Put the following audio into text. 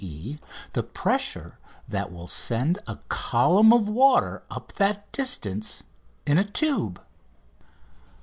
e._ the pressure that will send a column of water up that distance in a tube.